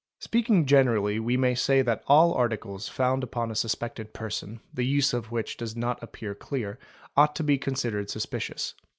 a Speaking generally we may say that all articles found upon ¢ suspected person, the use of which does not appear clear, ought to be considered suspicious.